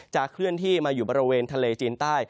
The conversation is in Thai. เคลื่อนที่มาอยู่บริเวณทะเลจีนใต้